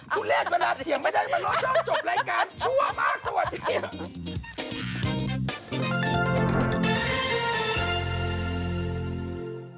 ทุเรศมันรัดเสียงไม่ได้มันร้อยช่องจบรายการชั่วมากกว่า